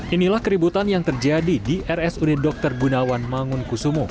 inilah keributan yang terjadi di rs uni dr gunawan mangun kusumo